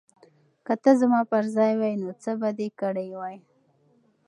که ته زما پر ځای وای نو څه به دې کړي وای؟